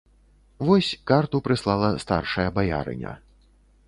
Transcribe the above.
Вось карту прыслала старшая баярыня.